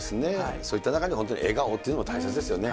そういった中に本当に笑顔というのも大切ですよね。